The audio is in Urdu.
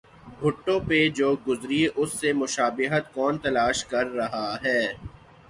بھٹو پہ جو گزری اس سے مشابہت کون تلاش کر رہا ہے؟